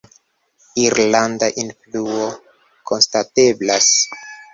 Irlanda influo konstateblas.